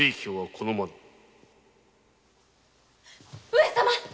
上様。